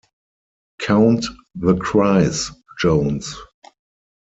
Count the cries, Jones.